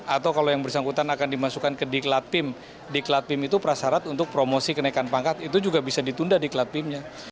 atau kalau yang bersangkutan akan dimasukkan ke diklat pim diklat pim itu prasarat untuk promosi kenaikan pangkat itu juga bisa ditunda diklat pimnya